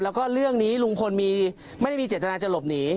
แล้วก็เรื่องนี้ลุงพลมีไม่ได้มีเจตนาจะหลบหนี